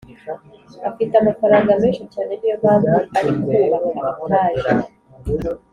Afite amafaranga meshi cyane niyo mpamvu arikubaka itaje